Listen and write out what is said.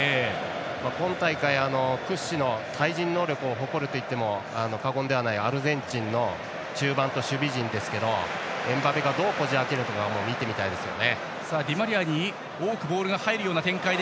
今大会屈指の対人能力を誇ると言っても過言ではないアルゼンチンの中盤と守備陣ですがエムバペがどうこじ開けるか見てみたいですよね。